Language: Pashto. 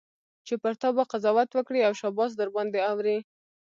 چي پر تا به قضاوت کړي او شاباس درباندي اوري